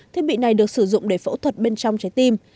điều này được sử dụng để phẫu thuật bên trong trái tim